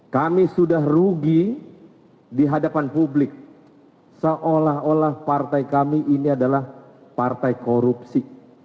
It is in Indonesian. kami sudah rugi di hadapan publik seolah olah partai kami ini adalah partai korupsi